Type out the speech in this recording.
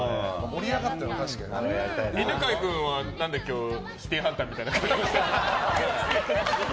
犬飼君は何で「シティーハンター」みたいな格好してるの？